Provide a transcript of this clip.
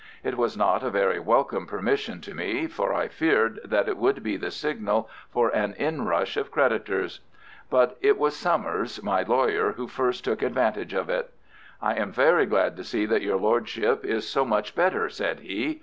It was not a very welcome permission to me, for I feared that it would be the signal for an inrush of creditors; but it was Summers, my lawyer, who first took advantage of it. "I am very glad to see that your lordship is so much better," said he.